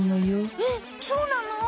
えっそうなの？